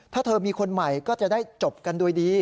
ถ้าเธอมีคนใหม่ก็จะได้จบกันโดยดี